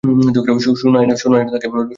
সুনায়না তাকে বলল, - না, স্যার।